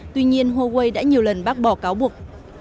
tuy nhiên huawei đã nhiều lần bác bỏ cáo buộc